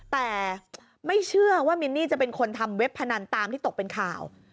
แต่ไม่เชื่อว่ามินนี่จะเป็นคนทำเว็บพนันตามที่ตกเป็นข่าว